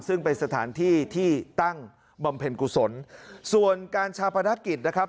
ซึ่งเป็นสถานที่ที่ตั้งบำเพ็ญกุศลส่วนการชาปนกิจนะครับ